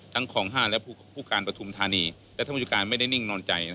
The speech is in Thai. ทั้งของห้าและผู้การประทุมธานีและธรรมจิการไม่ได้นิ่งนอนใจ